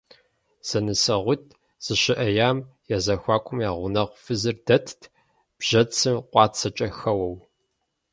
ЗэнысэгъуитӀ зэщыӀеям я зэхуакум я гъунэгъу фызыр дэтт, бжьэцым къуацэкӀэ хэуэу.